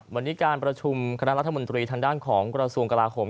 วันนี้การประชุมคณะรัฐมนตรีทางด้านของกระทรวงกลาโหม